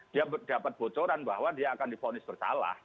dia dapat bocoran bahwa dia akan difonis bersalah